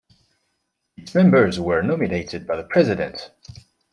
Its members were nominated by the president.